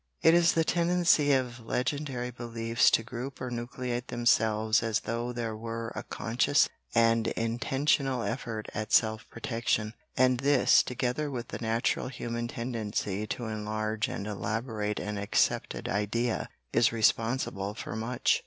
It is the tendency of legendary beliefs to group or nucleate themselves as though there were a conscious and intentional effort at self protection; and this, together with the natural human tendency to enlarge and elaborate an accepted idea, is responsible for much.